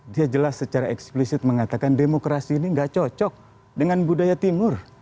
dia jelas secara eksplisit mengatakan demokrasi ini gak cocok dengan budaya timur